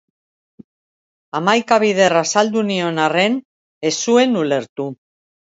Hamaika bider azaldu nion arren, ez zuen ulertu.